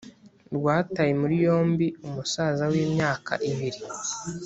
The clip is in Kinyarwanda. rwataye muri yombi umusaza w’imyaka ibiri